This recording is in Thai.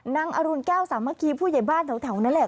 นางอรุณแก้วสามเมื่อกี้ผู้ใหญ่บ้านแถวนั่นแหละ